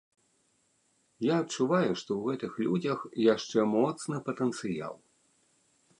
Я адчуваю, што ў гэтых людзях яшчэ моцны патэнцыял!